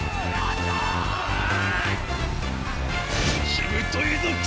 しぶといぞ貴様！